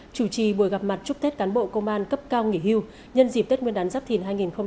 chủ trì buổi gặp mặt chúc tết cán bộ công an cấp cao nghỉ hưu nhân dịp tết nguyên đán giáp thìn hai nghìn hai mươi bốn